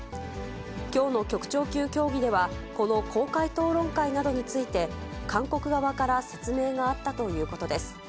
きょうの局長級協議では、この公開討論会などについて、韓国側から説明があったということです。